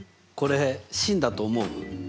これ真だと思う？